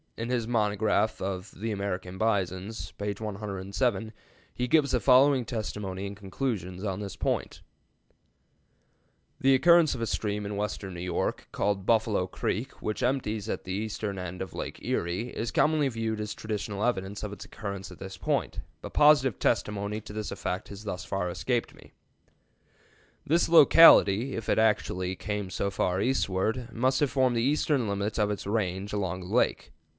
In his monograph of "The American Bisons," page 107, he gives the following testimony and conclusions on this point: "The occurrence of a stream in western New York, called Buffalo Creek, which empties into the eastern end of Lake Erie, is commonly viewed as traditional evidence of its occurrence at this point, but positive testimony to this effect has thus far escaped me. "This locality, if it actually came so far eastward, must have formed the eastern limit of its range along the lakes.